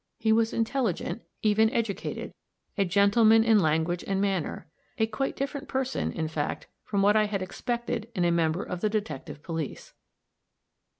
He was intelligent, even educated, a gentleman in language and manner a quite different person, in fact, from what I had expected in a member of the detective police.